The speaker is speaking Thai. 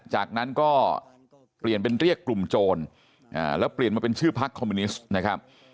จากนั้นก็เปลี่ยนเป็นเรียกกลุ่มโจรแล้วเปลี่ยนมาเป็นชื่อพักคอมมิวนิสต์นะครับ